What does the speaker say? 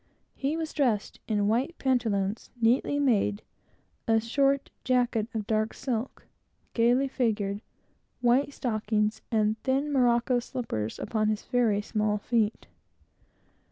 He was dressed in white pantaloons neatly made, a short jacket of dark silk, gaily figured, white stockings and thin morocco slippers upon his very small feet.